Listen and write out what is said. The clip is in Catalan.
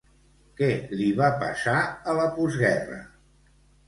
Què li va passar a la postguerra?